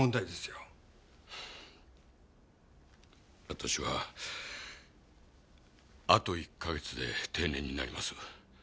私はあと１か月で定年になります。